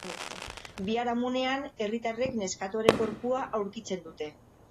Biharamunean, herritarrek neskatoaren gorpua aurkitzen dute.